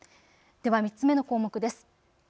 では３つ目の項目です。